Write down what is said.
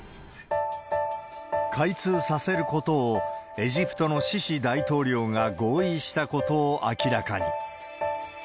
開通させることをエジプトのシシ大統領が合意したことを明らかに。